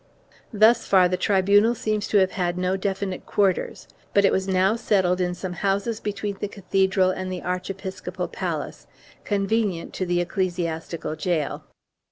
Thus far the tribunal seems to have had no definite quarters, but it was now settled in some houses between the cathedral and the archiepiscopal palace, convenient to the ecclesiastical gaol.